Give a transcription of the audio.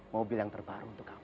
mobil yang terbaru untuk kamu